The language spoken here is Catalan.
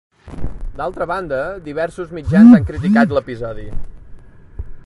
D'altra banda, diversos mitjans han criticat l'episodi.